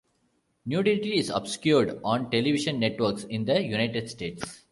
Nudity is obscured on television networks in the United States.